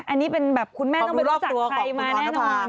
อันนี้เป็นแบบคุณแม่ต้องไปรู้จักใครมาแน่นอน